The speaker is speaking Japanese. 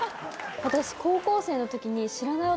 私高校生の時に。